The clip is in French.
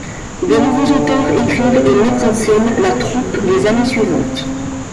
De nouveaux auteurs écrivent et mettent en scène la troupe les années suivantes.